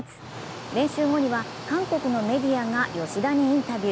練習後には韓国のメディアが吉田にインタビュー。